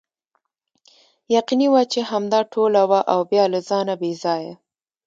یقیني وه چې همدا ټوله وه او بیا له ځانه بې ځایه.